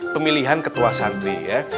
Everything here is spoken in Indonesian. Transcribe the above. pemilihan ketua santri ya